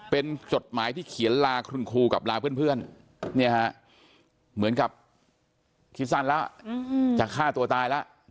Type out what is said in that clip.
เป็นจดหมายที่เขียนลาคุณครูกับลาเพื่อนเหมือนกับคิดสั้นแล้วจะฆ่าตัวตายแล้ว